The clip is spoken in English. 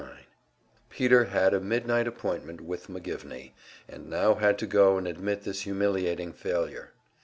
Section 39 Peter had a midnight appointment with McGivney, and now had to go and admit this humiliating failure.